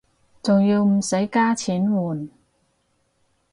仲要唔使加錢換